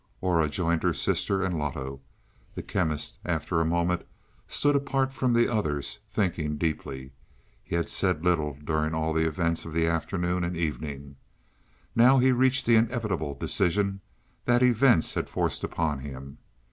Aura joined her sister and Loto. The Chemist after a moment stood apart from the others thinking deeply. He had said little during all the events of the afternoon and evening. Now he reached the inevitable decision that events had forced upon him.